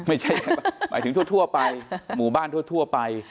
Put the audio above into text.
ไม่ใช่หมายถึงทั่วไปหมู่บ้านทั่วไป